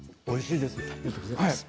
おいしいです。